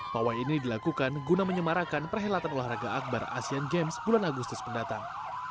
pawai ini dilakukan guna menyemarakan perhelatan olahraga akbar asian games bulan agustus mendatang